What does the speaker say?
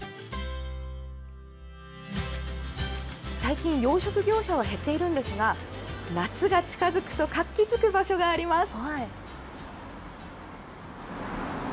最近、養殖業者は減っているんですが、夏が近づくと活気づく場所があります。